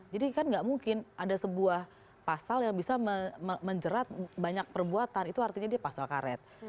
jadi kan gak mungkin ada sebuah pasal yang bisa menjerat banyak perbuatan itu artinya dia pasal karet